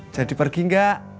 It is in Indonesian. jadi pergi gak